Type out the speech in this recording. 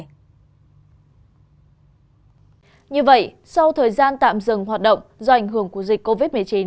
như vậy sau thời gian tạm dừng hoạt động do ảnh hưởng của dịch covid một mươi chín